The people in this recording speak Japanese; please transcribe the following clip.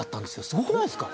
すごくないですか？